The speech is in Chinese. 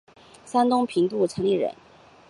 山东平度城里人。